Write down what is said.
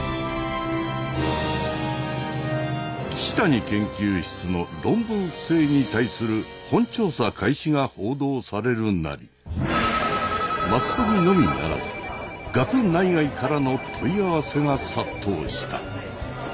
岸谷研究室の論文不正に対する本調査開始が報道されるなりマスコミのみならず学内外からの問い合わせが殺到した。